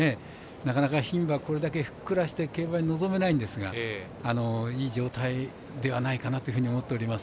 なかなか牝馬これだけふっくらして競馬に臨めないんですがいい状態ではないかなというふうに思っております。